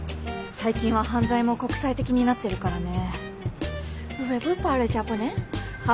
最近は犯罪も国際的になってるからね。